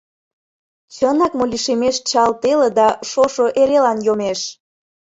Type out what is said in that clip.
Чынак мо лишемеш чал теле Да шошо эрелан йомеш?